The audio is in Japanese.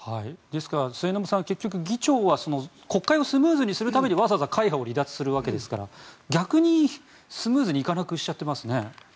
ですから末延さん議長は国会をスムーズにするためにわざわざ会派を離脱するわけですから逆にスムーズにいかなくしちゃってますね。